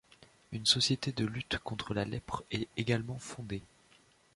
Une société de lutte contre la lèpre est également fondée.